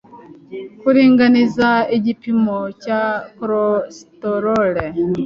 Kuringaniza igipimo cya cholesterol